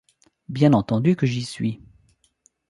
Bien entendu que j’y suis !